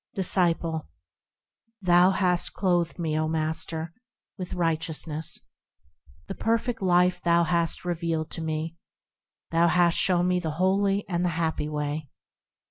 Disciple. Thou has clothed me, O Master ! with righteousness ; The perfect life thou hast revealed to me ; Thou hast shown me the holy and the happy way.